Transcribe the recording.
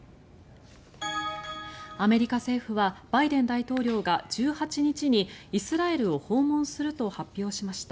アメリカ政府はバイデン大統領が１８日にイスラエルを訪問すると発表しました。